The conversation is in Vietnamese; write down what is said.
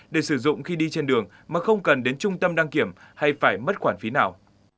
để sử dụng khi đi trên đường mà không cần đến trung tâm đăng kiểm hay phải mất quản phí nào